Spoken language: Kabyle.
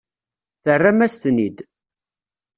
Terram-as-ten-id.